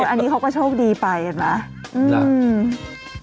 อันนี้เขาก็โชคดีใบแล้วนะ